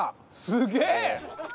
すげえ！